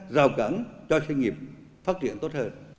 rào cẩn cho doanh nghiệp phát triển tốt hơn